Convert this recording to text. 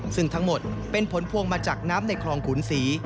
ซึ่งทั้งหมดเป็นผลพวงมาจากน้ำในคลองขุนศรี